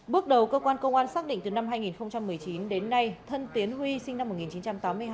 bước đầu cơ quan công an xác định từ năm hai nghìn một mươi chín đến nay thân tiến huy sinh năm một nghìn chín trăm tám mươi hai